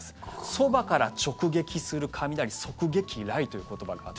そばから直撃する雷側撃雷という言葉があって。